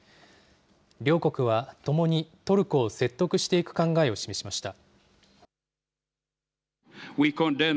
両国は、ともにトルコを説得していく考えを示しました。